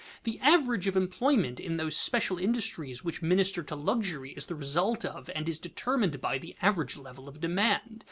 The average of employment in those special industries which minister to luxury is the result of and is determined by the average level of demand.